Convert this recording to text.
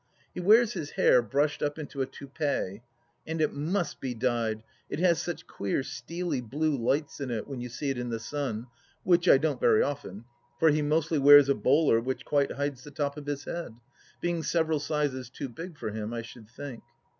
He wears his hair brushed up into a toupet ; and it must be dyed, it has such queer steely blue lights in it, when you see it in the sun, which I don't very often, for he mostly wears a bowler which quite hides the top of his head, being several sizes too big for him, I should think.